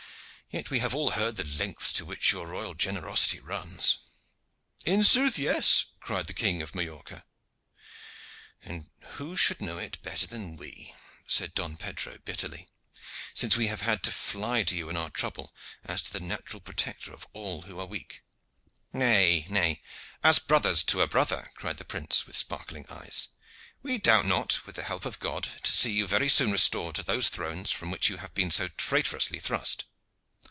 "Yet we have all heard the lengths to which your royal generosity runs." "In sooth, yes," cried the King of Majorca. "Who should know it better than we?" said Don Pedro bitterly, "since we have had to fly to you in our trouble as to the natural protector of all who are weak." "Nay, nay, as brothers to a brother," cried the prince, with sparkling eyes. "We doubt not, with the help of God, to see you very soon restored to those thrones from which you have been so traitorously thrust."